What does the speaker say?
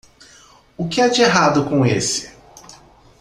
O que há de errado com esse?